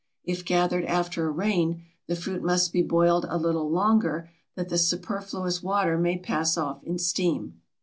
If gathered after a rain the fruit must be boiled a little longer that the superfluous water may pass off in steam.